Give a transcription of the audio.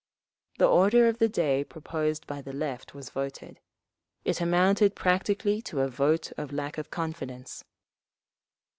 The order of the day proposed by the Left was voted. It amounted practically to a vote of lack of confidence.